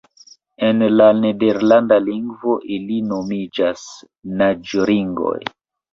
En la nederlanda lingvo ili nomiĝas naĝringoj.